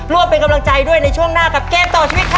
ร่วมเป็นกำลังใจด้วยในช่วงหน้ากับเกมต่อชีวิตครับ